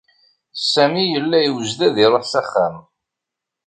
Sami yella yewjed ad iṛuḥ s axxam.